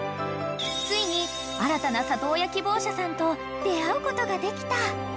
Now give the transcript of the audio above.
［ついに新たな里親希望者さんと出合うことができた］